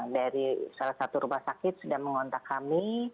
dari salah satu rumah sakit sudah mengontak kami